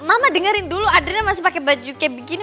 mama dengerin dulu adrina masih pakai baju kayak begini